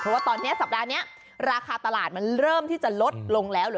เพราะว่าตอนนี้สัปดาห์นี้ราคาตลาดมันเริ่มที่จะลดลงแล้วหรือ